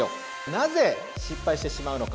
なぜ失敗してしまうのか。